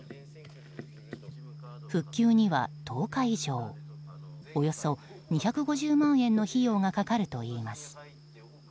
復旧には１０日以上およそ２５０万円の費用がかかるといいます。